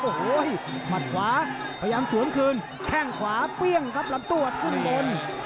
โอ้โหหมัดขวาพยายามสวนคืนแข้งขวาเปรี้ยงครับลำตัวขึ้นบน